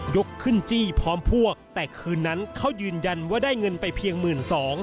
ขึ้นจี้พร้อมพวกแต่คืนนั้นเขายืนยันว่าได้เงินไปเพียง๑๒๐๐